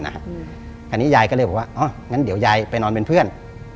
อันนี้ยายก็เลยบอกว่าอ๋องั้นเดี๋ยวยายไปนอนเป็นเพื่อน